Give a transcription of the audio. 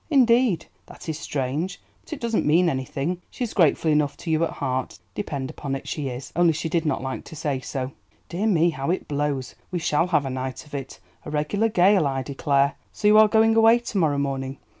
"Indeed, that is strange. But it doesn't mean anything. She's grateful enough to you at heart, depend upon it she is, only she did not like to say so. Dear me, how it blows; we shall have a night of it, a regular gale, I declare. So you are going away to morrow morning.